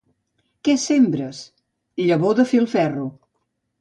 —Què sembres? —Llavor de filferro.